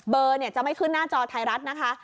เบอร์จะไม่ขึ้นหน้าจอไทรัฐนะคะ